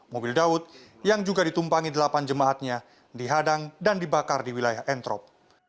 mobil daud yang juga ditumpangi delapan jemaatnya dihadang dan dibakar di wilayah entrop